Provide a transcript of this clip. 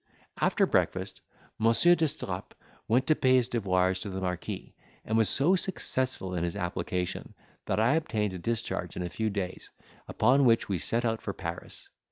After breakfast, Monsieur d'Estrapes went to pay his devoirs to the marquis, and was so successful in his application, that I obtained a discharge in a few days, upon which we set out for Paris.